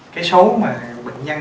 cái số mà bệnh nhân